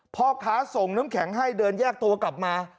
พ่อค้าส่งน้ำแข็งให้เดินแยกตัวกลับมา